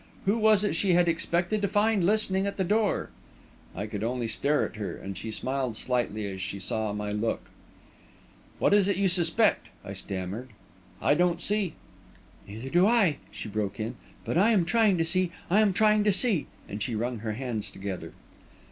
Who was it she had expected to find listening at the door? I could only stare at her, and she smiled slightly as she saw my look. "But what is it you suspect?" I stammered. "I don't see...." "Neither do I," she broke in. "But I am trying to see I am trying to see!" and she wrung her hands together.